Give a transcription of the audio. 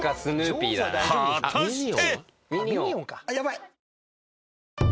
［果たして⁉］